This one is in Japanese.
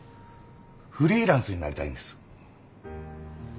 フリーランスになりたいんです。